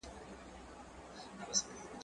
هغه څوک چي ښوونځی ته ځي زدکړه کوي!؟